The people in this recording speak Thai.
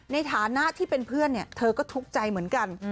ในฐานะที่เป็นเพื่อนเธอก็ทุกข์ใจเหมือนกัน